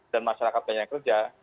dan masyarakat banyak yang kerja